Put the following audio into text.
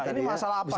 iya ini masalah apa ya